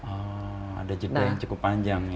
oh ada jadwal yang cukup panjang ya